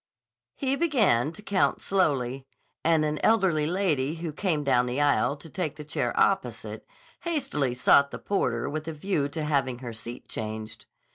He began to count slowly, and an elderly lady who came down the aisle to take the chair opposite hastily sought the porter with a view to having her seat changed.